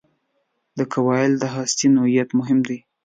د کوایل د هستې نوعیت مهم دی.